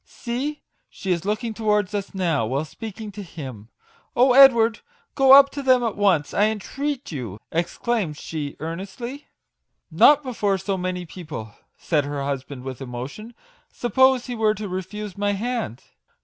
See, she is looking towards us now, while speaking to him ! Oh, Edward, go up to them at once, I entreat you !" exclaimed she earnestly. " Not before so many people/' said her hus band with emotion. " Suppose he were to refuse my hand?"